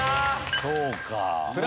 そうか。